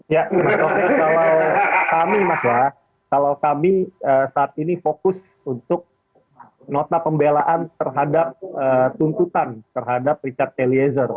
ya oke kalau kami mas ya kalau kami saat ini fokus untuk nota pembelaan terhadap tuntutan terhadap richard eliezer